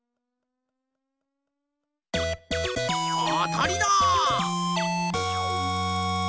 あたりだ！